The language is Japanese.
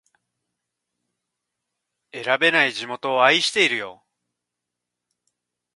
選べない地元を愛してるよ